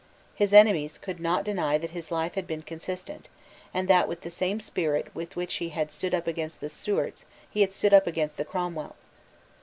His enemies could not deny that his life had been consistent, and that with the same spirit with which he had stood up against the Stuarts he had stood up against the Cromwells.